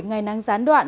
ngày nắng rán đoan